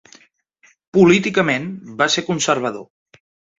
Políticament, va ser conservador.